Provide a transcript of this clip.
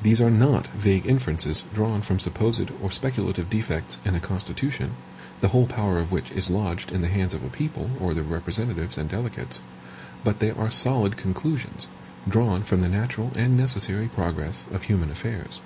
These are not vague inferences drawn from supposed or speculative defects in a Constitution, the whole power of which is lodged in the hands of a people, or their representatives and delegates, but they are solid conclusions, drawn from the natural and necessary progress of human affairs.